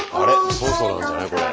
そろそろなんじゃないこれ。